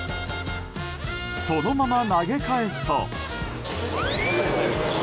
そのまま投げ返すと。